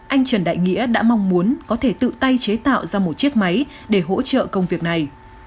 anh trần đại nghĩa đã mong muốn có thể tự tay chế tạo ra một chiếc máy để hỗ trợ công việc này